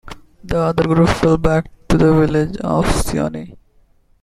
The other group fell back to the village of Sioni.